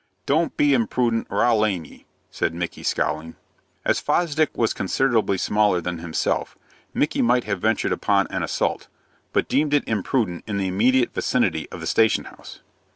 "Don't be impudent, or I'll lam' ye," said Micky, scowling. As Fosdick was considerably smaller than himself, Micky might have ventured upon an assault, but deemed it imprudent in the immediate vicinity of the station house.